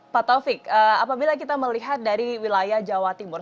pak taufik apabila kita melihat dari wilayah jawa timur